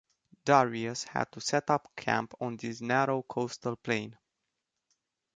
Darius had to set up camp on this narrow coastal plain.